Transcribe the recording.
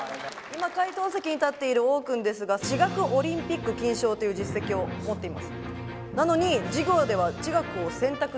今解答席に立っている王君ですが地学オリンピック金賞という実績を持っています。